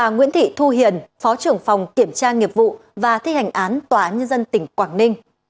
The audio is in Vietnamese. nguyễn thị thu hiền phó trưởng phòng kiểm tra nghiệp vụ và thi hành án tòa án nhân dân tỉnh quảng ninh